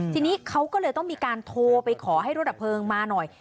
ทีนี้เขาก็เลยต้องมีการโทรไปขอให้รถดับเพลิงมาหน่อย